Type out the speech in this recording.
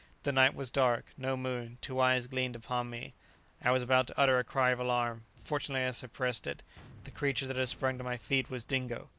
The night was dark; no moon; two eyes gleamed upon me; I was about to utter a cry of alarm; fortunately, I suppressed it; the creature that had sprung to my feet was Dingo!